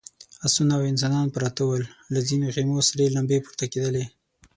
آسونه او انسانان پراته ول، له ځينو خيمو سرې لمبې پورته کېدلې….